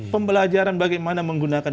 pembelajaran bagaimana menggunakan